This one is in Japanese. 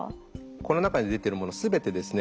この中に出てるもの全てですね